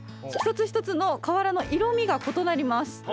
一つ一つの瓦の色味が異なります。